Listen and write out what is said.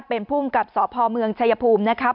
เป็นผู้กับสอบพอร์เมืองเฉยภูมินะครับ